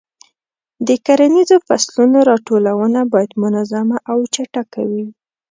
د کرنیزو فصلونو راټولونه باید منظمه او چټکه وي.